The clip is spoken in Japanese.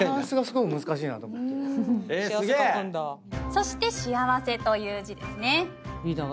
そして「幸せ」という字ですね。